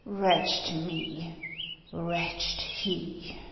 Wretched me! Wretched he!"